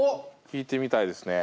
聴いてみたいですね。